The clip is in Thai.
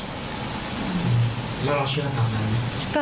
แล้วเราเชื่อต่างนะครับ